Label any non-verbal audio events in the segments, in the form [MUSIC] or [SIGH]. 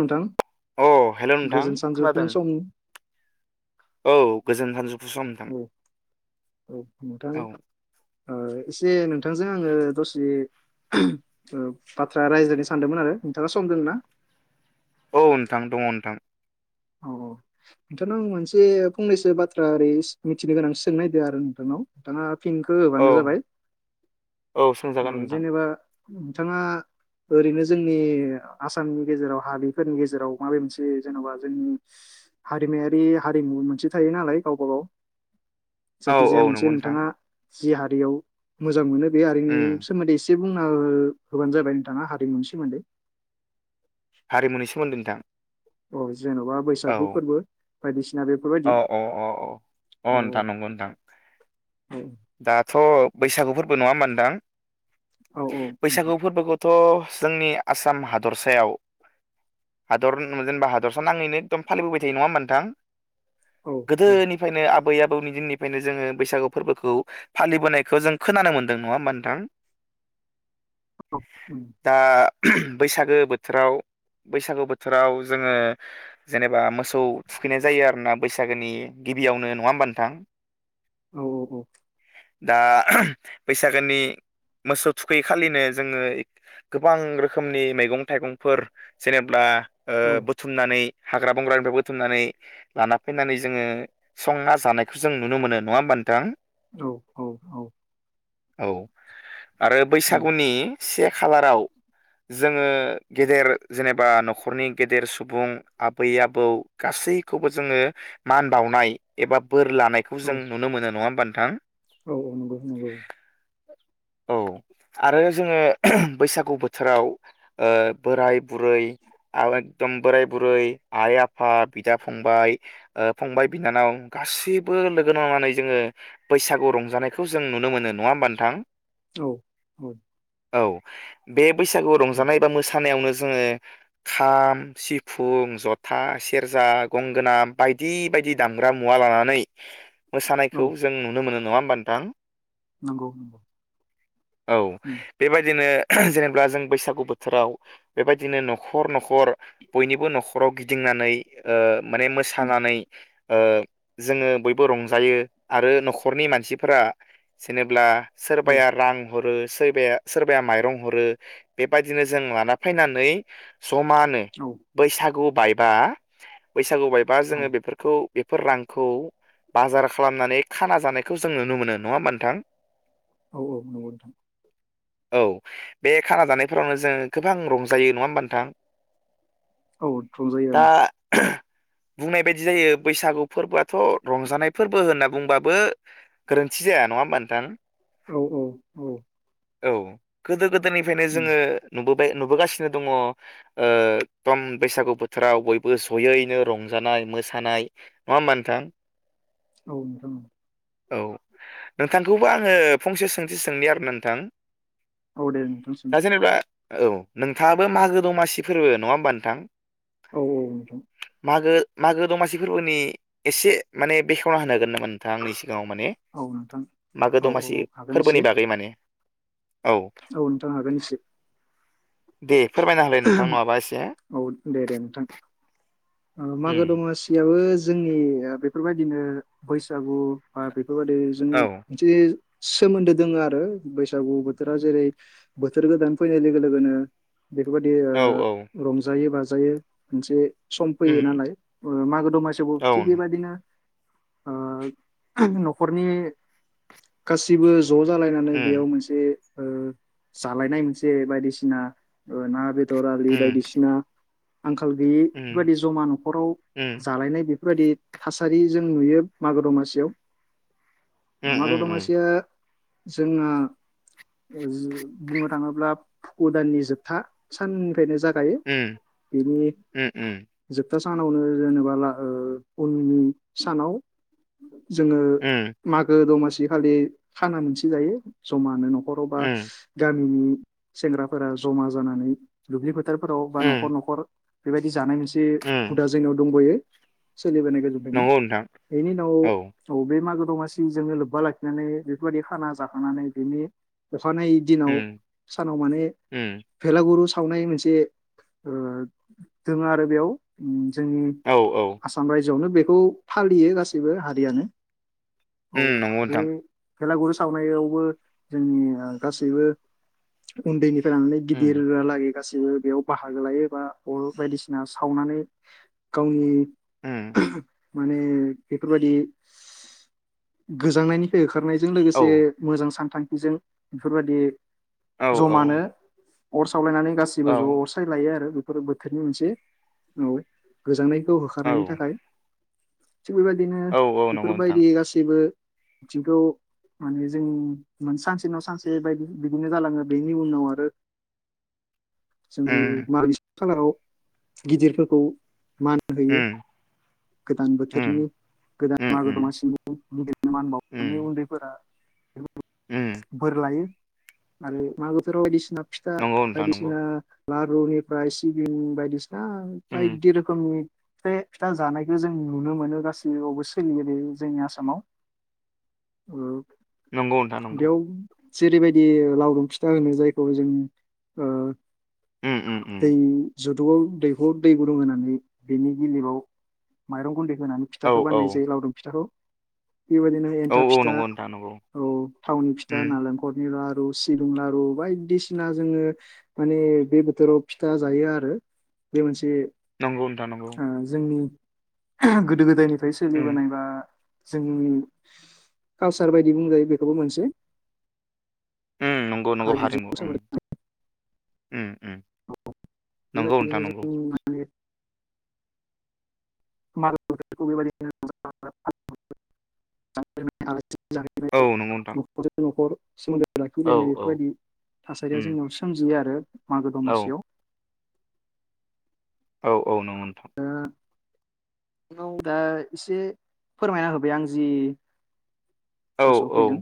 नोंथां अ हेलौ नोंथां गोजोन सानजौफुं खोनादों सम औ गोजोन हामजुब औ औ नोंथां औ ओ एसे नोंथांजों आङो दसे थ्रा बाथ्रा रायज्लायनो सानदोंमोन आरो नोंथाङा सम दोंना औ नोंथां दङ नोंथां। औ औ नोंथांनाव आं मोनसे फंनैसो बाथ्रा ओरैनस मिथिनो गोनां सोंनायदो आरो नोंथांनाव नोंथाङा फिनखो औ होबानो जाबाय औ सोंजागोन ओ नोंथां जेनेबा नोंथाङा ओरैनो जोंनि आसामनि गेजेराव हादोरफोरनि गेजेराव माबे मोनसे जेन'बा जोंनि हारिमायारि हारिमु मोनसे थायो नालाय गावबा गाव औ औ जायखिजाया नंगौ मोनसे नोथां नोंथाङा जि हारियाव मोजां मोनो बे उम आरिमुनि सोमोन्दै एसे बुंना होबानो जाबाय नोंथाङा हारिमुनि सोमोन्दै हारिमुनि सोमोन्दै नोंथां औ जेन'बा बैसागु औ फोरबो बायदिसिना अ बेफोरबायदि अ अ अ अ औ नोंथां नंगौ नोंथां औ दाथ' बैसागु फोर्बो नङा होम्बा नोंथां औ बैसागु फोर्बोखौथ' जोंनि आसाम हादरसायाव हादर जेनेबा हादरसा नाङैनो एकदम फालिबोबाय थायो नङा होम्बा नोंथां औ औ गोदोनिफ्रायनो आब बै आबौनि दिननिफ्रायनो जोङो बैसागु फोर्बोखौ फालिबोनायखौ जों खोनानो मोन्दों नङा होम्बा नोंथां औ दा बैसागो बोथोराव बैसागो बोथोराव जोङो जेनेबा मोसौ थुखैनाय जायो आरोना बैसागोनि गिबियावनो नङा होम्बा नोथां औ औ औ दा बैसागोनि मोसौ थुखै खालिनो जोङो गोबां रोखोमनि मैगं थाइगंफोर जेनेब्ला ओ औ बुथुमनानै हाग्रा बंग्रानिफ्राय बुथुमनानै लाना फैनानै जोङो संना जानायखौ जों नुनो मोनो नङा होम्बा नोंथां औ औ औ औ आरो बैसागुनि से खालाराव जोङो गेदेर जेनेबा न'खरनि गेदेर सुबुं आबै आबौ गासैखौबो जोङो मान बावनाय एबा बोर लानायखौ जों नुनो मोनो नङा बा नोंथां औ औ नंगौ नंगौ औ आरो जोङो बैसागु बोथोराव ओ बोराय बुरै एकदम बोराय बुरै आइ आफा बिदा फंबाय ओ फंबाय बिनानाव गासैबो लोगो नांनानै जोङो बैसागु रंजानायखौ जों नुनो मोनो नङा होम्बा नोंथां औ औ औ बे बैसागु रंजानाय बा मोसानायावनो जोङो खाम सिफुं जथा सेरजा गंगोना बायदि बायदि दामग्रा मुवा लानानै मोसानायखौ जों नुनो मोनो नङा होम्बा नोंथां नंगौ नंगौ औ बेबायदिनो [UNINTELLIGIBLE] जेनेबला जों बैसागु बोथोराव बेबायदिनो न'खर न'खर बयनिबो न'खराव गिदिंनानै ओ माने मोसानानै ओ जोङो बयबो रंजायो आरो न'खरनि मानसिफोरा जेनेब्ला सोरबाया रां हरो सोरबाया सोरबाया माइरं हरो बेबायदिनो जों लाना फायनानै जमानो बैसागु बायबा बै सागुबायबा जोंङो बेफोरखौ बेफोर रांखौ बाजार खालामनानै खाना जानायखौ जों नुनो मोनो नंङा होनबा नोंथां औ-औ नोंगौ नोंथां औ बे खाना जानायफोरावनो जों गोबां रंजायो नंङा होनबा नोंथां औ थुंजाङो दा ओं बुंनाय बायदि जायो बैसागु फोरबोआथ रंजानाय फोरबो होनना बुंबाबो गोरोन्थि जाया नंङा होनबा नोंथां औ-औ-औ औ गोदो गोद सिगांनिफ्रायनो जोंङो नुबोब बाय नुबोगासिनो दंङ ओ दम बैसागु बोथोराव बयबो जयैनो रंजानाय मोसानाय नंङा होनबा नोंथां औ नोंथां औ नोंथांखौबो आंङो फंसे सोंथि सोंनि आरो नोंथां औ दे नोंथां सों दा जेनेबा औ नोंथांङाबो मागो दमासि फोरबो नंङा होनबा नोंथां औ-औ नोंगौ मागो-मागो दमासि फोरबोनि एसे माने बेखेव फा [UNINTELLIGIBLE] हांगोन नों मोनथांया आंनि सिगांङाव माने औ नोंथां मागो औ औ औ दमासि हागोन एसे फोरबोनि बागै माने औ नोंथां हागोन एसे दे फोरमायना होलाय नोंथां नंङाबा एसे औ दे दे नोंथां ओ मागो उम दमासियाबो जोंनि बेफोरबायदिनो बैसागु बा [UNINTELLIGIBLE] बेफोरबादि जों औ जे बिदि सोमोन्दो दोंङो आरो बैसागु बोथोरा जेरै बोथोर गोदान फैनाय लोगो लोगोनो। बेफोरबायदि औ औ ओ रंजायो बाजा जायो मोनसे सम फैयो उम नालाय ओ मागो दमासियावबो औ थिग उम बेबायदिनो ओ नखरनि गासिबो ज जालायनानै उम बेयाव मोनसे ओ‌ जालायनाय मोनसे बायदिसिना औ ना बेद दरालि उम बायदिसिना आंखाल गैयि उम बेफोरबायाददि जमा नखराव उम जालायनाय बेफोर बेफोरबायाददि थासारि जों नुयो मागो दमासियाव। उम मागो उम दमासिया जोङो बुंनो थाङोब्ला उदांनि जोब था साननिफ्रायनो जाग थायो उम बिनि उम उम जोब सोबथा सानावनो जेनेबा उननि सानाव जोङो उम मागो दमासि खालि खाना मोनसे जायो जमानो न' बर' बा उम गामिनि सेंग्राफोरा जमा जानानै दुब्लि बारि फारफोराव बा न'खर उम न'खर बेबायदि जानाय मोन जे उम हुदा जोंनाव दंबावयो सोलिबोन गोजोबनो नंगौ नोंथां बेनि औ उनाव बे मागो दमासि जोंनो लोब्बा लाखिनानै बेफोरबायदि खाना जाखांनानै बेनि अखानायै दिनाव उम सानाव माने उम बेलागुरु सावनाय मोनसे ओ दोङो आरो बेयाव । जोंनि औ औ आसाम रायजो गिबियावनो बेखौ फालियो गासिबो हारियानो । औ उम नंगौ बे नोंथां खेलागुरु सावनायावबो जोंनि गासैबो उन्दैनिफ्राय लानानै उम दिर लागि [UNINTELLIGIBLE] गासैबो बेयाव बाहागो लायो बा अ बायदिसिना सावनानै गावनि उम [UNINTELLIGIBLE] माने बेफोरबायाददि गोजांनायनिफ्राय ओंखारनायजों औ लोगोसे मोजां सानथां जों बेफोरबायदि औ जमानो अर सावलायनानै गासिबो औ औ ज'साय लायो आरो बेफोर बोथोरनि मोनसे औ गोजांनाय खौ होखारनायनि औ थाखाय थिग बेबायदिनो औ नंगौ नोंथां बेफोरबायदि गासैबो बिथिंखौ माने जों मोन सानसे नाव सानसे बायदि बिदिनो जालाङो बेनि उनाव आरो जोङो उम [UNINTELLIGIBLE] खालाराव गिदिरफोरखौ मान होयो उम गोदान उम बोथोरनि उम गोदान मागो उम दमासि गिदिरनो मान बावनानै उम उन्दैफोरा उम बोर लायो आरो मागोफोराव बायदिसिना फिथा नंगौ नोंथां नंगौ बायदिसिना लारुनिफ्राइ सिबिं बायदिसि ना उम बायदि रोखोमनि बे फिथा जानायखो जों नुनो मोनो गासैयावबो सोलियो बे जोंनि आसामाव नंगौ नोंथां नंगौ। बेयाव जेरैबायदि लावदुम फिथा होनो जायखौ जों ओ उम उम उम दैनि जुदु आव दैहुआव दै गुदुं होनानै बेनि गिलिबाव माइरं गुन्दै होनानै औ फिथाखौ औ बाननाय जायो लावदुम फिथाखौ बेबायदिनो औ एन्थाब औ फिथा नंगौ नोंथां नंगौ औ थावनि फिथा उम नालेंखरनि ला रु सिबुं लारु बायदिसि सिना जोङो माने बे बोथोराव फिथा जायो आरो बे मोनसे नंगौ नोंथां नंगौ ओ जोंनि गोदो गोदाय निफाय उम सोलिबोनायबा जोंनि कालसार बायदि बुंजायो बेखौबो मोनसे उम नंगौ नंगौ हारिमुजों हारिमु उम सोमोन्दो दं। उम नंगौ बेबायदिनो नोंथां नंगौ। जों माने [UNINTELLIGIBLE] औ जाहोनाय नंगौ नोंथां न'खर न'खर सोमोन्दो औ लाखिलायनाय औ बेफोरबायदि थासारिया उम जोंनियाव सोमजियो आरो मागो औ दमासियाव। औ औ नोंगौ नोंथां। गौ दा एसे फोरमायना होबाय आं जि औ गोसोआव औ फैदों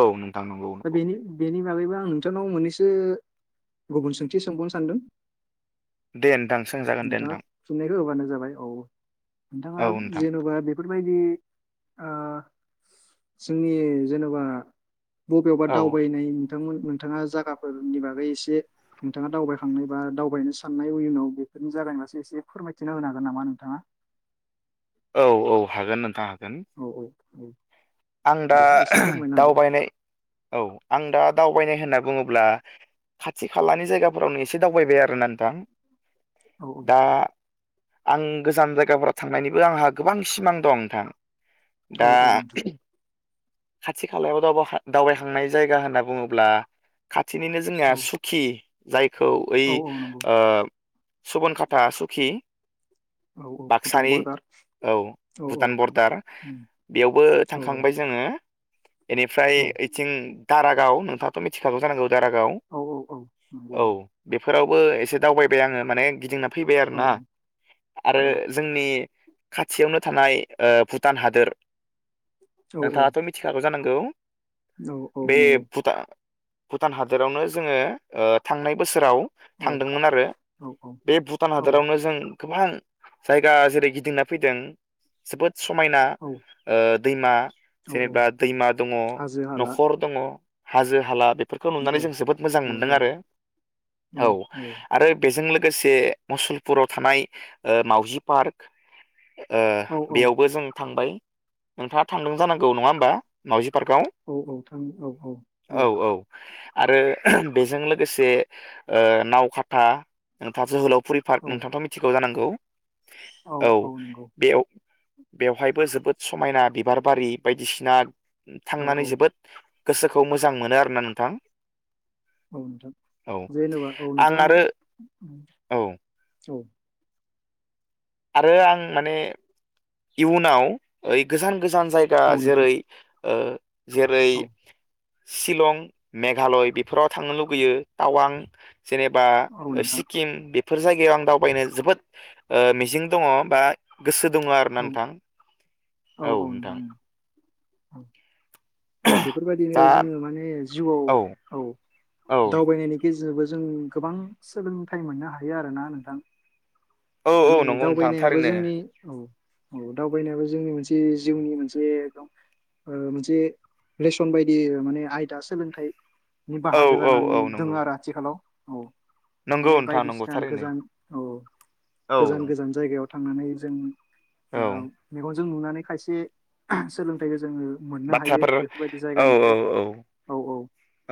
औ नोंथां नंगौ दा नंगौ बेनि बेनि बागैबो आं नोंथांनाव मोननैसो गुबुन सोंथि सोंबावनो सानदों। दे नोंथां सोंजागोन दे नोंथां। हो होबानो जाबाय औ। नोंथाङा औ नोंथां जेनबा बेफोर बेफोरबायदि ओ जोंनि जेनबा बबेयावबा औ दावबायनाय नु नोंथांमोन नोंथाङा जायाफोरनि बागै एसे नोंथाङा दावबायखांनाय बा दावबायनो साननाय उयुनाव बेफोरनि जागायब्लासो एसे फोरमायथिना होनो हागोन नामा नोंथाङा? औ औ हागोन नोंथाङ। औ औ औ आं दा बेखौ एसे फोरमायना होदो दावबायनाय औ आं दा दावबायनाय होनना। बुङोब्ला खाथि खालानि जायगाफोरावनो एसे दावबाय आरोना नोंथां। औ दा आं गोजान जायगाफोराव थांनायनिबो आंहा गोबां सिमां दं नोंथां। औ दा औ नोंथां खाथि खालायाव दावबायखा दावबायखांनाय जायगा होनना बुङोब्ला खा थिनिनो जोंना औ सुखि जाय खौ ओइ औ औ नंगौ ओ सुबन खाथा सुखि औ औ भुटान बाक्सानि बरदार औ औ औ भुटान बरदार उम बेयावबो औ थांखांबाय जोङो। एनिफ्राय औ ओइथिं दाराग गाव नोंथाथ मिथिखागौ जानांगौ। दारागाव औ औ औ नंगौ औ बे फोरावबो एसे दावबाय आङो माने गिदिंना- फैबाय औ आरोना आरो औ जोंनि- खाथियावनो थानाय ओ भुटान हादोर। औ औ दाबो जानांगौ। औ बे नंगौ भुटा भुटान हादोरावनो जोङो ओ थांनाय बोसोराव औ थांदोंमोन आरो। औ बे भुटान औ हादरावनो जों गोबां जायगा जेरै गिदिंना फैदों जोबोद समायना औ ओ दैमा औ औ जेनेबा दैमा दंङ, हाजो हाला न'खर दंङ, हाजो हाला बे फोरखौ औ नुनानै जों जोबोद मोजां औ मोनदों आरो। औ औ आरो बेजों लो गोसे मुसलपुराव थानाय मावजि पार्क ओ औ बेयावबो जों थांबाय। नोंथांङा थांदों जानां घौ नंङा होनबा मावजि पार्कआव? औ औ थां औ औ औ औ आरो बेजों लोगोसे ओ नावखाथा थाब जोहोलाव फुरि पार्क औ नोंथांङाथ' मिथिगौ जांनां गौ? औ बेयाव बेवहायबो जोबोद समायना दिप बिबार बारि बायदिसिना औ थांनानै औ जोबोद गोसोखौ मोजां मोनो आरोना नोंथां। औ नोंथां औ जेनेबा औ आं नोंथां आरो औ औ। आरो आं माने इयुनाव ओइ गोजान गोजान जायगा औ नोंथां जेरै ओ जेरै औ शिलं, मेघालय बेफोराव थांनो लुुबैयो टावां जेनेबा औ नोंथां सिक्किम बे फोर जायगायाव आं दावबायनो जोबोद ओ मिजिं दंङ बा गोसो दंङ औ औ औ नोंथां औ। औ बेफोरबायदिनो दा जोंङो माने औ जिउआव औ औ दावबायनायनि गेजेरावबो जों गोबां सोलोंथाइ मोननो हायो आरोना नोंथां औ औ माने नंगौ नोंथां दावबायनायाबो थारैनो जोंनि औ औ दावबायनायाबो जोंनि मोनसे जिउनि मोनसे मोनसे लेसन बायदि माने आयदा सोलोंथाइ औ बाहागो औ जानानै औ दङ नंगौ आरो आथिखालाव औ नंगौ माने नोंथां नंगौ बायदिसिना थारैनो गोजान औ औ गोजान गोजान जायगायाव थांनानै जों आ औ मेगन जों नुनानै खायसे ओह सोलोंथाइखौ जोङो मोननो हायो बाथ्राफोर बेफोरबादि औ औ जायगानिफ्राइ औ औ औ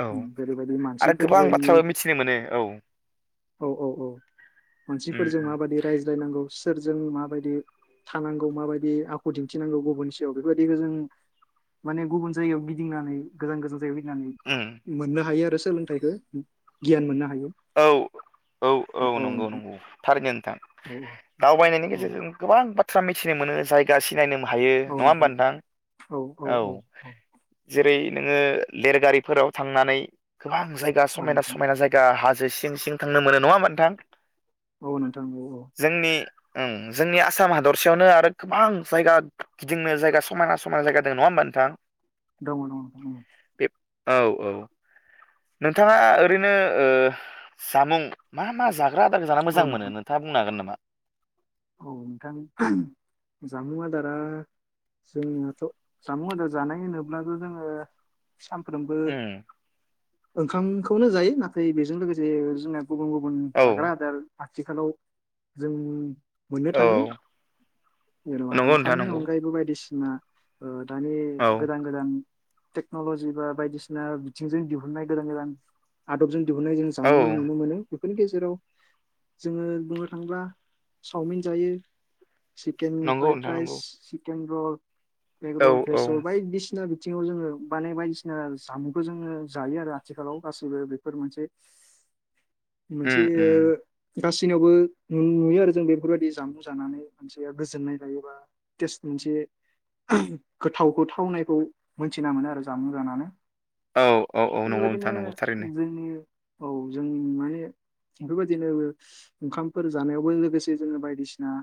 औ उम ओरैबादि आरो मानसिफोर गोबां जायो बाथ्राबो मिथिनो मोनो औ औ औ औ उम मानसिफोरजों उम माबायदि रायज्लायनांगौ सो फोरजों माबायदि थानांगौ माबायदि आखु दिन्थिनांगौ गुबुननि सायाव बेफोरबायदिखौ जों माने गुबन जायगायाव गिदिंनानै गोजान गोजान जायगायाव उम गिदिंनानै मोननो हायो आरो सोलोंथाइखौ गियान मोननो हायो औ औ औ नंगौ नंगौ थारैनो नोंथां औ औ दावबायनायनि गेजेरजों गोबां बाथ ज्राम मिथिनो मोनो जायगा सिनायनो मोनो हायो नङा होमबा नोंथां औ जेरै नोङो लेरगारिफोराव थांनानै गोबां जायगा औ समायना नोंथां समायना जायगा हाजो सिं सिं थांनो मोनो नङा होनबा नोंथां औ नोंथां औ औ जोंनि ओं जोंनि आसाम हादरसेयावनो आरो गोबां जायगा गिदिंनो जायगा समायना समायना जायगा दङ नङा होमबा नोंथां दङ दङ दङ बे औ औ नोंथाङा ओरैनो ओ जामुं मा मा जा मा आदारखो जाना औ मोजां मोनो नोंथां नोंथाङा बुंनो हागोन नामा औ नोंथां ओहम जामुं आदारा जोंनाथ' जामुं आदार जानाय होनोब्लाथ' जोङो सामफ्रोमबो उम ओंखामखौनो जायो नाथाय बेजों लोगोसे जोंना गुबुन गुबुन औ जाग्रा आदार आथिखालाव जोंनि। मोननो औ थाङो जेन'बा नंगौ नोंथां ओंखामनि नंगौ अनगायैबो बायदिसि [INAUDIBLE] ओ। मानि औ गोदान गोदान। टेक्न'ल'जि बा बायदिसिना बिथिंजों दिहुननाय गोदान गोदान आदबजों। दिहुन्नाय जों औ जामुं नुनो मोनो। बेफोरनि गेजेराव जोङो बुंनो थाङोब्ला। सावमिन जायो। सिकेन नंगौ फ्राइद नोंथां राइस। नंगौ। चिकेन रल [UNINTELLIGIBLE] एग औ रल औ फ्रस रल बायदिसिना बिथिङाव जोङो माने बायदिसिना जामुंखौ जोङो जायो आरो आथिखालाव गासैबो बेफोर मोनसे। मोनसे। उम उम गासैनियावबो नुयो आरो जों बे बेफोरबायाददि जामुं जानानै मानसिया गोजोननाय लायोबा टेस्ट मोनसे गोथावखौ थावनायखौ मोनथिना मोनो आरो जामुं जानानै। औ औ औ थिग नंगौ बेबायदिनो नथां नंगौ थारैनो। जोंनि औ जों माने बेफोरबायदिनो ओंखामफोर जानायावबो लोगोसे। जों बायदिसिना।